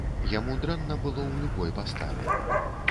Яму дрэнна было ў любой паставе.